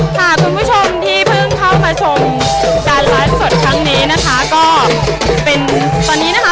คุณผู้ชมที่เพิ่งเข้ามาชมการไลฟ์สดครั้งนี้นะคะก็เป็นตอนนี้นะคะ